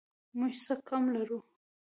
موږ څه کم لرو؟